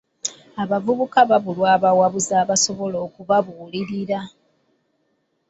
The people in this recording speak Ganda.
Abavubuka babulwa abawabuzi abasobola okubabuulirira.